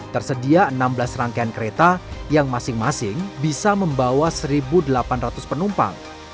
tersedia enam belas rangkaian kereta yang masing masing bisa membawa satu delapan ratus penumpang